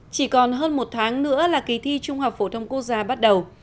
chỉ còn hơn một tháng nữa là kỳ thi trung học phổ thông quốc gia bắt đầu